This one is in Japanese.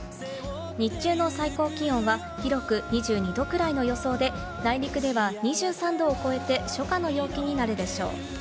日中の最高気温は広く２２度くらいの予想で、内陸は２３度を超えて、初夏の陽気になるでしょう。